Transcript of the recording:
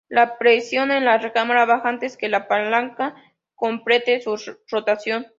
La presión en la recámara baja antes que la palanca complete su rotación.